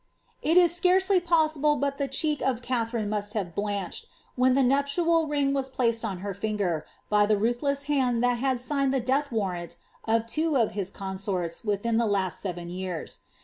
* It is scarcely possible but the cheek of Katharine must have blanched when the nuptial rintr was placed on her finger, by the ruthless hind thai had signed the death warrant of two of his consorts within the last seven years.